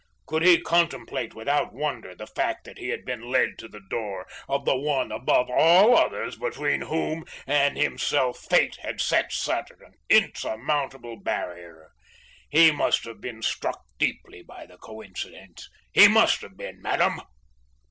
Could he contemplate without wonder the fact that he had been led to the door of the one above all others between whom and himself Fate had set such an insurmountable barrier? He must have been struck deeply by the coincidence; he must have been, madam."